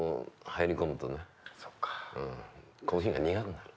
コーヒーが苦くなる。